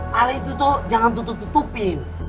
malah itu tuh jangan tutup tutupin